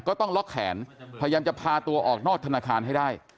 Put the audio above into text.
ต้องล็อกแขนพยายามจะพาตัวออกนอกธนาคารให้ได้